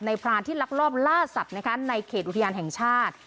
พรานที่ลักลอบล่าสัตว์ในเขตอุทยานแห่งชาติ